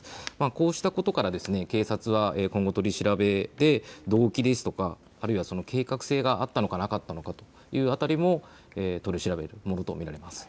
こうしたことから警察は今後、取り調べで動機ですとかあるいは計画性があったのかなかったのかという辺りも取り調べるものと見られます。